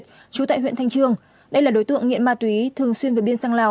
trú tại huyện thanh trương đây là đối tượng nghiện ma túy thường xuyên về biên sang lào